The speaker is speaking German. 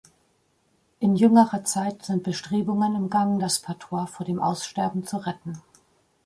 In jüngerer Zeit sind Bestrebungen im Gang, das Patois vor dem Aussterben zu retten.